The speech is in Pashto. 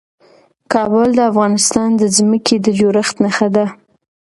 کابل د افغانستان د ځمکې د جوړښت نښه ده.